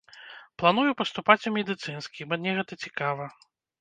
Планую паступаць у медыцынскі, мне гэта цікава.